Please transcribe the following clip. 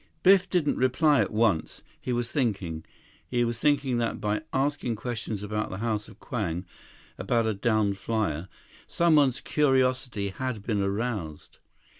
Biff didn't reply at once. He was thinking. He was thinking that by asking questions about the House of Kwang, about a downed flyer, someone's curiosity had been aroused.